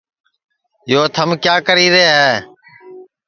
یو تھم کِیا کری ہے